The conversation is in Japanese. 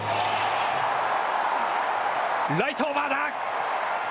ライトオーバーだ。